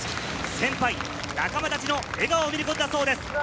先輩、仲間たちの笑顔を見ることだそうです。